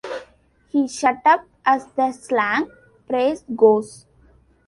He shut up, as the slang phrase goes.